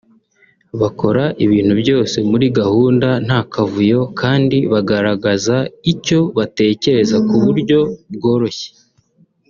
bakora ibintu byose muri gahunda nta kavuyo kandi bagaragaza icyo batekereza ku buryo bworoshye